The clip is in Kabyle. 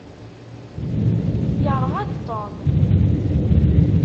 Yeṛɣa-d Tom.